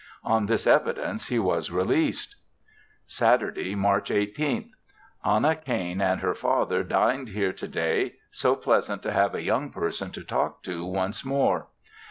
On this evidence he was released. Saturday, March 18th. Anna Cain and her father dined here to day; so pleasant to have a young person to talk to once more.